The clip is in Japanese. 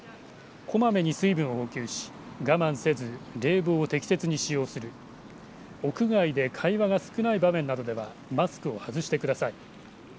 こまめに水分を補給し我慢せず冷房を適切に使用する、屋外で会話が少ない場面などではマスクを外してください。